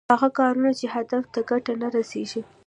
هغه کارونه چې هدف ته ګټه نه رسېږي.